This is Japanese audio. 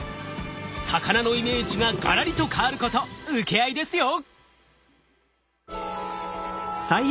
魚のイメージがガラリと変わること請け合いですよ！